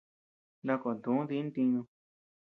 Na koʼö tu di ntiñu.